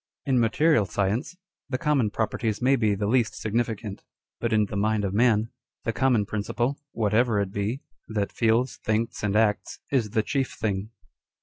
In material science, the common properties may be the least significant; but in the mind of man, the common principle (whatever it be) that feels, thinks, and acts, is the chief thing.